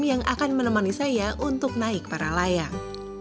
yang akan menemani saya untuk naik para layang